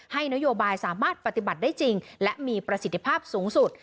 นโยบายสามารถปฏิบัติได้จริงและมีประสิทธิภาพสูงสุด